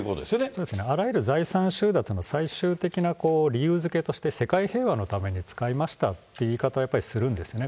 そうですね、あらゆる財産収奪の最終的な理由付けとして世界平和のために使いましたっていう言い方をやっぱりするんですね。